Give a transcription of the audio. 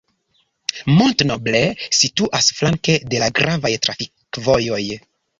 Mont-Noble situas flanke de la gravaj trafikvojoj.